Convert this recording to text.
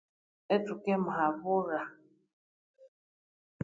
Ethukemuhabulha